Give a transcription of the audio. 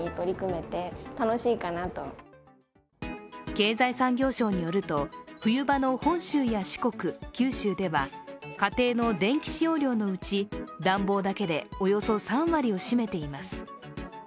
経済産業省によると、冬場の本州や四国、九州では家庭の電気使用量のうち、暖房だけでおよそ３割を占めています。